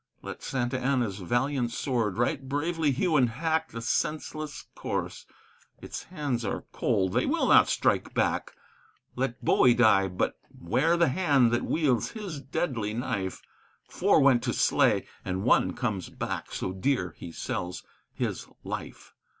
Let Santa Anna's valiant sword right bravely hew and hack The senseless corse; its hands are cold; they will not strike him back. Let Bowie die, but 'ware the hand that wields his deadly knife; Four went to slay, and one comes back, so dear he sells his life.